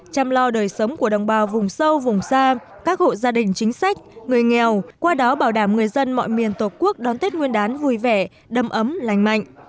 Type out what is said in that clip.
chăm lo đời sống của đồng bào vùng sâu vùng xa các hộ gia đình chính sách người nghèo qua đó bảo đảm người dân mọi miền tổ quốc đón tết nguyên đán vui vẻ đầm ấm lành mạnh